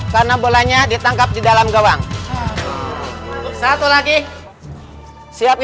karena bolanya ditangkap di dalam gawang satu lagi siap